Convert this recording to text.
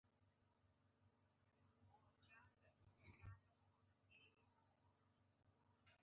عزت، حرمت او اړیکي همداسې وګڼئ.